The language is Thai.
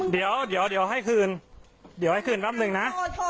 เดี๋ยวเดี๋ยวให้คืนเดี๋ยวให้คืนปั๊บหนึ่งนะ